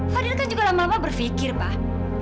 fadil kan juga lama lama berpikir bah